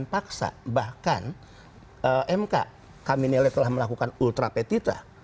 paksa bahkan mk kami nilai telah melakukan ultra petita